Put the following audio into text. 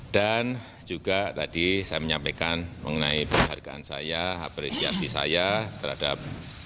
dan juga tadi saya menyampaikan mengenai perhargaan saya apresiasi saya terhadap